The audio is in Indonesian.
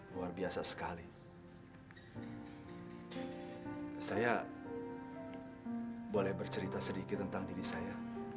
luar biasa sekali saya boleh bercerita sedikit tentang diri saya